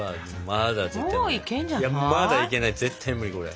まだいけない絶対無理これ。